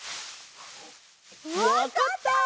わかった！